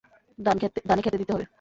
ধানে ক্ষেতে দিতে হবে।